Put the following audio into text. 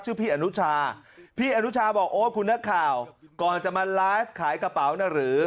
พี่อนุชาพี่อนุชาบอกโอ้คุณนักข่าวก่อนจะมาไลฟ์ขายกระเป๋านะหรือ